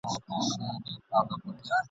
زما یقین دی چي پر خپل خالق به ګران یو !.